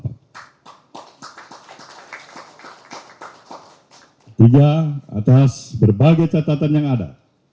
ketiga atas berbagai catatan yang ada